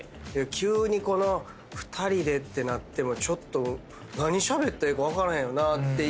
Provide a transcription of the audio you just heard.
急に２人でってなってもちょっと何しゃべってええか分からへんよなって言ってる。